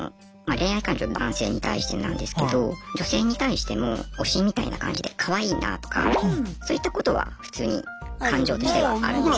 恋愛感情男性に対してなんですけど女性に対しても推しみたいな感じでかわいいなとかそういったことは普通に感情としてはあるんですね。